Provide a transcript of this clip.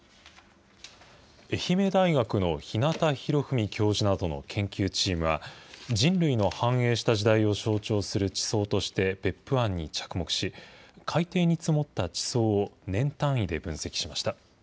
愛媛大学の日向博文教授などの研究チームは、人類の繁栄した時代を象徴する地層として別府湾に着目し、海底に積もった地層を年単位で分析しました。